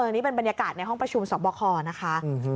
นี่เป็นบรรยากาศในห้องประชุมสอบคอนะคะ